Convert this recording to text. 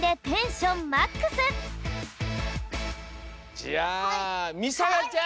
じゃあみさやちゃん！